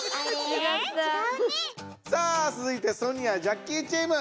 さあつづいてソニア・ジャッキーチーム。